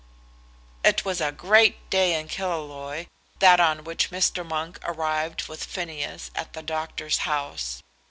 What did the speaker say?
It was a great day in Killaloe, that on which Mr. Monk arrived with Phineas at the doctor's house.